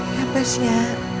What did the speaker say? ya pas ya